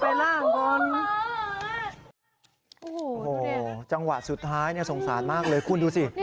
ไปล่างก่อนนะไปล่างก่อนจังหวะสุดท้ายเนี่ยสงสารมากเลยคุณดูสิ